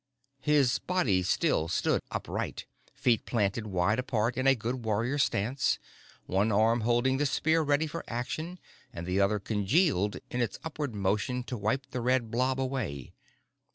His body still stood upright, feet planted wide apart in a good warrior's stance, one arm holding the spear ready for action and the other congealed in its upward motion to wipe the red blob away.